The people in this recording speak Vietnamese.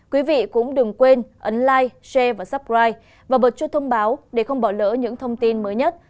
quý vị cũng đừng quên ấn like share và subscribe và bật chuông thông báo để không bỏ lỡ những thông tin mới nhất